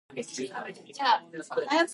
A video clip was made for "Ida".